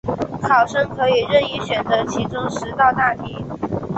考生可以任意选择其中十道大题